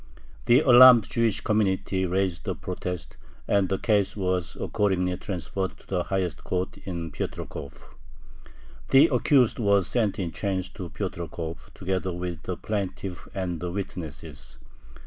The alarmed Jewish community raised a protest, and the case was accordingly transferred to the highest court in Piotrkov. The accused was sent in chains to Piotrkov, together with the plaintiff and the witnesses.